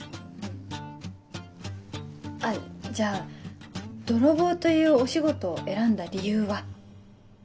あっじゃあ泥棒というお仕事を選んだ理由は？